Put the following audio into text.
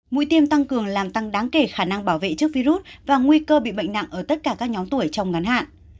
mũi tiêm tăng cường làm tăng đáng kể khả năng bảo vệ trước virus và nguy cơ bị bệnh nặng ở tất cả các nhóm tuổi trong ngắn hạn